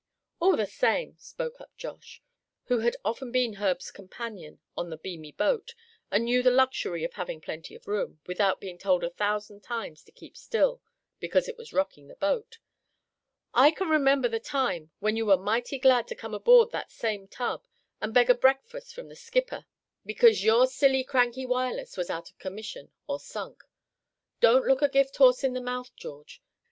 "All the same," spoke up Josh, who had often been Herb's companion on the beamy boat, and knew the luxury of having plenty of room, without being told a thousand times to keep still, because he was rocking the boat; "I can remember the time when you were mighty glad to come aboard that same tub, and beg a breakfast from the skipper, because your silly cranky Wireless was out of commission or sunk. Don't look a gift horse in the mouth, George.